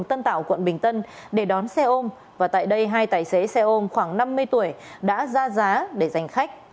tân tạo quận bình tân để đón xe ôm và tại đây hai tài xế xe ôm khoảng năm mươi tuổi đã ra giá để giành khách